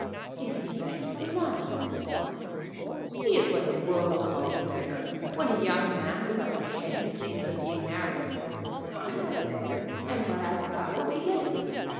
"He has begged from none," said Florence. "He is what the world calls a beggar, when a young man without a penny thinks of being married." "I'm not a beggar, and what I've got will be his."